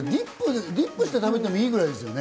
ディップして食べてもいいぐらい。